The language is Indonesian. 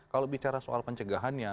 kalau bicara soal pencegahannya